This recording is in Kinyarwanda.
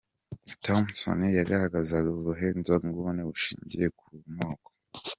Thompson yagaragazaga ubuhezanguni bushingiye ku moko.